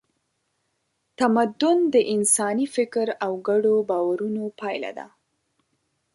تمدن د انساني فکر او ګډو باورونو پایله ده.